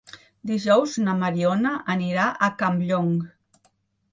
Dijous na Mariona anirà a Campllong.